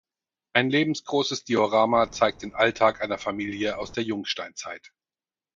Ein lebensgroßes Diorama zeigt den Alltag einer Familie aus der Jungsteinzeit.